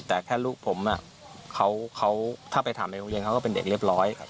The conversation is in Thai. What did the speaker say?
แต่แค่ลูกผมเขาถ้าไปถามในโรงเรียนเขาก็เป็นเด็กเรียบร้อยครับ